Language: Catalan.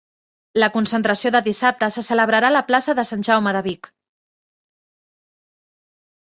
La concentració de dissabte se celebrarà a la plaça de Sant Jaume de Vic